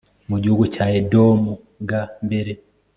mu gihugu cya Edomu g mbere